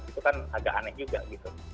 itu kan agak aneh juga gitu